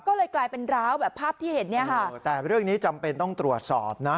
ก็เลยกลายเป็นร้าวแบบภาพที่เห็นเนี่ยค่ะแต่เรื่องนี้จำเป็นต้องตรวจสอบนะ